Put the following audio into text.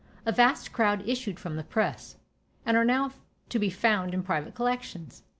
A vast crowd issued from the press, and are now to be found in private collections.